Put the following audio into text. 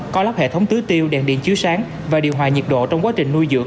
có lắp hệ thống tưới tiêu đèn điện chiếu sáng và điều hòa nhiệt độ trong quá trình nuôi dưỡng